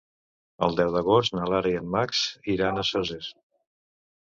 El deu d'agost na Lara i en Max iran a Soses.